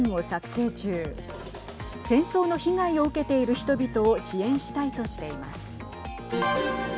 戦争の被害を受けている人々を支援したいとしています。